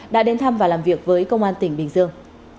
đã đến thăm và làm việc với công an tỉnh bình dương